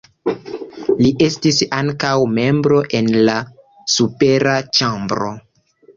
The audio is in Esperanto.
Li estis ankaŭ membro en la supera ĉambro.